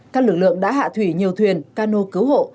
các lực lượng đã hạ thủy nhiều thuyền cano cứu hộ